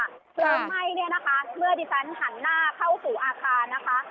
เพลิงไหม้เนี่ยนะคะเมื่อดิฉันหันหน้าเข้าสู่อาคารนะคะ